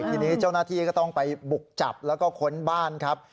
ทีนี้เจ้าหน้าที่ก็ต้องไปบุกจับแล้วก็ค้นบ้านครับ